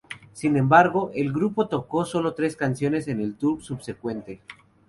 Sin embargo, el grupo tocó sólo tres canciones en el tour subsecuente.